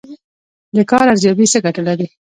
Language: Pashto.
د کار ارزیابي څه ګټه لري؟